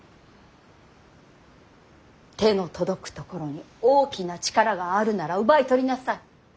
手の届く所に大きな力があるなら奪い取りなさい。